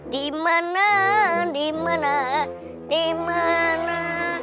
dimana dimana dimana